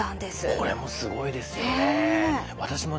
これもすごいですよね。